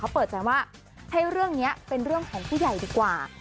เขาเปิดใจว่าให้เรื่องนี้เป็นเรื่องของผู้ใหญ่ดีกว่า